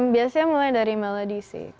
biasanya mulai dari melody sih